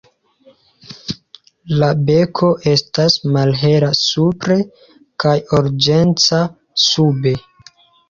La beko estas malhela supre kaj oranĝeca sube.